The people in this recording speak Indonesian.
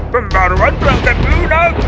pembaruan perangkat lunak